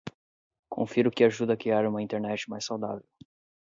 Confira o que ajuda a criar uma Internet mais saudável.